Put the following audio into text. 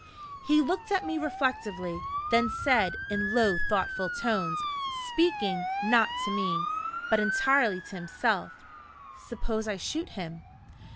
He looked at me reflectively; then said, in low, thoughtful tones, speaking, not to me, but entirely to himself: "Suppose I shoot him?"